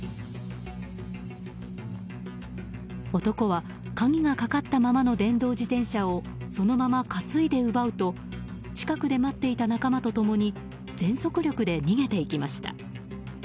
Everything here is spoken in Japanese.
男は鍵がかかったままの電動自転車をそのまま担いで奪うと近くで待っていた仲間と共に全速力で逃げていきました。